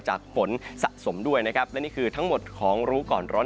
ฝนสะสมด้วยนะครับและนี่คือทั้งหมดของรู้ก่อนร้อน